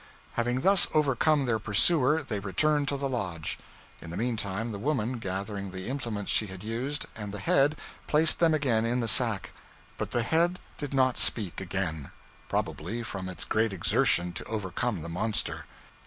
Having thus overcome their pursuer, they returned to the lodge. In the meantime, the woman, gathering the implements she had used, and the head, placed them again in the sack. But the head did not speak again, probably from its great exertion to overcome the monster.